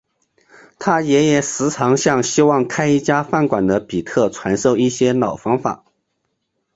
他爷爷时常向希望开一家饭馆的比特传授一些老方法。